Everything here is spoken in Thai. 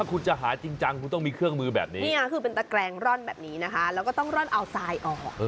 คุณจะหาจริงจังคุณต้องมีเครื่องมือแบบนี้เนี่ยคือเป็นตะแกรงร่อนแบบนี้นะคะแล้วก็ต้องร่อนเอาทรายออก